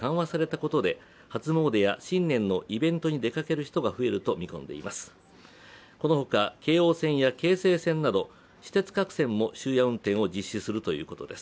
このほか京王線や京成線など私鉄各線も終夜運転を実施するということです。